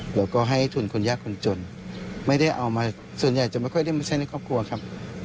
แล้วก็ให้ทุนคนยากคนจนไม่ได้เอามาส่วนใหญ่จะไม่ค่อยได้มาใช้ในครอบครัวครับ